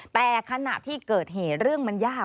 แต่ขณะที่เกิดเหตุเรื่องมันยาก